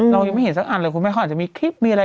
เรายังไม่เห็นสักอันเลยคุณแม่เขาอาจจะมีคลิปมีอะไร